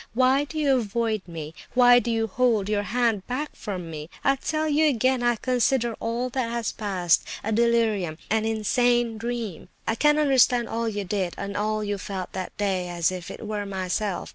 Why do you avoid me? Why do you hold your hand back from me? I tell you again, I consider all that has passed a delirium, an insane dream. I can understand all you did, and all you felt that day, as if it were myself.